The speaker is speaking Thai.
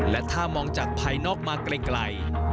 และถ้ามองจากภายนอกมาไกล